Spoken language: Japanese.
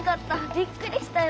びっくりしたよ。